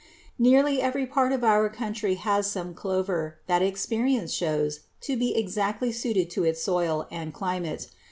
Nearly every part of our country has some clover that experience shows to be exactly suited to its soil and climate.